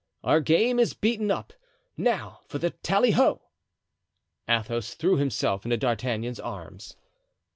Our game is beaten up. Now for the tally ho." Athos threw himself into D'Artagnan's arms.